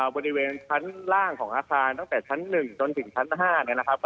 บริเวณชั้นล่างของอาคารตั้งแต่ชั้น๑จนถึงชั้น๕เนี่ยนะครับ